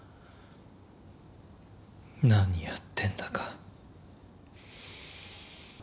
何やってんだか。